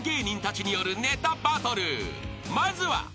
［まずは］